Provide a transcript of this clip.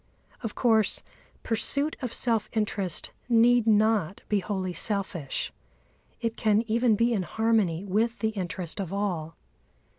Of course, pursuit of self interest need not be wholly selfish; it can even be in harmony with the interest of all.